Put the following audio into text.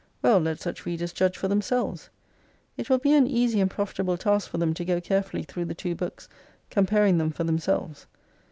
Well, let such readers judge for them selves. It will be an easy and profitable task for them to go carefully through the two books, comparing them for themselves.